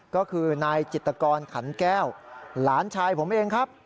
ก็คือนายจิตกรขันแก้วหลานชายผมเองครับ